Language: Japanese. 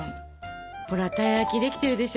ほらたい焼きできてるでしょ？